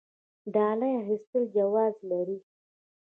ډالۍ اخیستل جواز لري؟